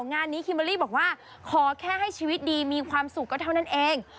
งานนี้คิมเบอร์รี่บอกว่าขอแค่ให้ชีวิตดีมีความสุขก็เท่านั้นเอง